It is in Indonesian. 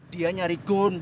dia nyari gun